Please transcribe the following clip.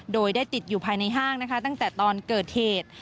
โดยได้ติดอยู่ภายในห้างนะคะตั้งแต่ตอนเกิดเหตุ